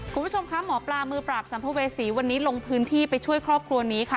คุณผู้ชมคะหมอปลามือปราบสัมภเวษีวันนี้ลงพื้นที่ไปช่วยครอบครัวนี้ค่ะ